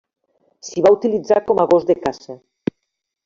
S'hi va utilitzar com a gos de caça.